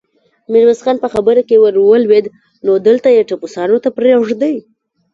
ميرويس خان په خبره کې ور ولوېد: نو دلته يې ټپوسانو ته پرېږدې؟